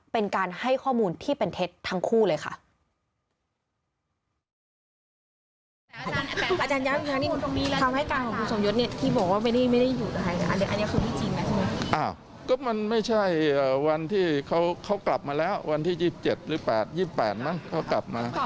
เป็นการให้ข้อมูลที่เป็นเท็จทั้งคู่เลยค่ะ